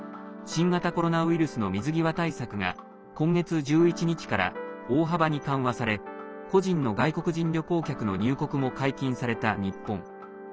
新型コロナウイルスの水際対策が今月１１日から大幅に緩和され個人の外国人旅行客の入国も解禁された日本。